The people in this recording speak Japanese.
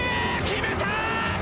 決めた！